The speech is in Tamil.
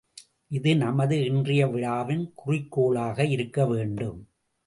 இது நமது இன்றைய விழாவின் குறிக்கோளாக இருக்கவேண்டும்.